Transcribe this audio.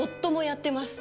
やってます